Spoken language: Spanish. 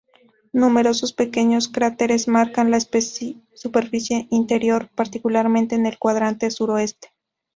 Numerosos pequeños cráteres marcan la superficie interior, particularmente en el cuadrante suroeste.